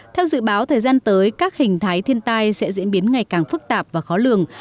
theo dự báo thời gian tới các hình thái thiên tai sẽ diễn biến ngày càng phức tạp và khó lường